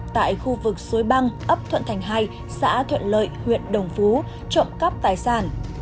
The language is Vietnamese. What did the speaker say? tại khu vực suối băng ấp thuận thành hai xã thuận lợi huyện đồng phú trộm cắp tài sản